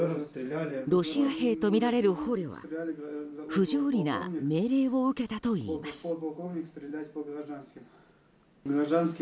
ロシア兵とみられる捕虜は不条理な命令を受けたといいます。